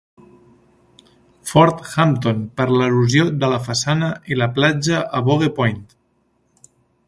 Fort Hampton per l'erosió de la façana i la platja a Bogue Point.